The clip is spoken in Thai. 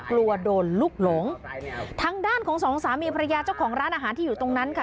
กลัวโดนลูกหลงทางด้านของสองสามีภรรยาเจ้าของร้านอาหารที่อยู่ตรงนั้นค่ะ